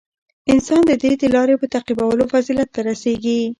• انسان د دې د لارې په تعقیبولو فضیلت ته رسېږي.